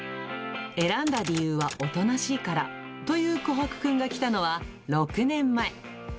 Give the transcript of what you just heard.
選んだ理由はおとなしいからというコハクくんが来たのは６年前。